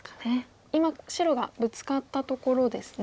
今白がブツカったところですね。